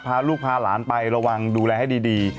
พาลูกพาหลานไประวังดูแลให้ดี